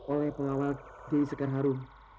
oleh pengawal dewi sekerharu